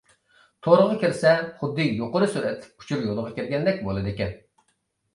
تورغا كىرسە، خۇددى يۇقىرى سۈرئەتلىك ئۇچۇر يولىغا كىرگەندەك بولىدىكەن.